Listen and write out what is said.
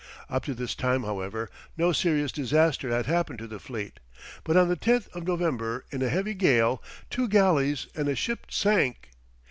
Up to this time, however, no serious disaster had happened to the fleet, but on the 10th of November in a heavy gale two galleys and a ship sank.